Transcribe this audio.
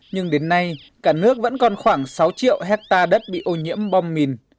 nhưng đến nay cả nước vẫn còn khoảng sáu triệu hectare đất bị ô nhiễm bom mìn